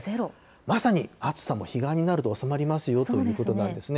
まさに暑さも彼岸になると収まりますよということなんですね。